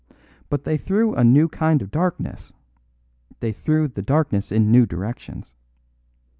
But they threw a new kind of darkness; they threw the darkness in new directions.